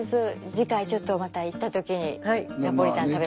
次回ちょっとまた行った時にナポリタン食べます。